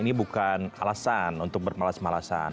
ini bukan alasan untuk bermalas malasan